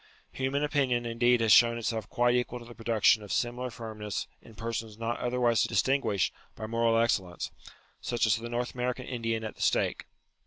Human opinion indeed has shown itself quite equal to the production of similar firmness in persons not otherwise distinguished by moral excel lence ; such as the North American Indian at the stake.